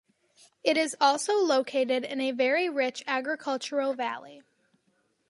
It is also located in a very rich agricultural valley.